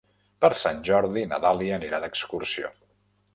Per Sant Jordi na Dàlia anirà d'excursió.